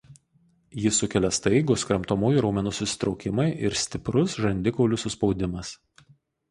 Jį sukelia staigūs kramtomųjų raumenų susitraukimai ir stiprus žandikaulių suspaudimas.